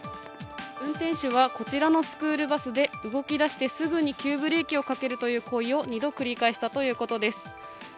運転手はこちらのスクールバスで動き出してすぐに急ブレーキをかける行為を２度繰り返したしたということです。